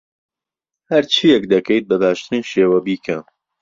هەرچییەک دەکەیت، بە باشترین شێوە بیکە.